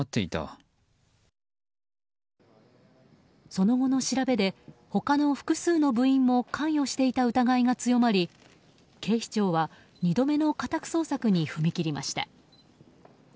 その後の調べで、他の複数の部員も関与していた疑いが強まり警視庁は２度目の家宅捜索に踏み切りました。